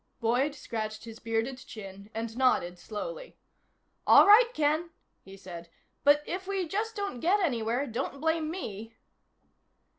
Boyd scratched his bearded chin and nodded slowly. "All right, Ken," he said. "But if we just don't get anywhere, don't blame me."